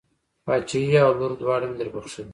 پاچهي او لور دواړه مې در بښلې.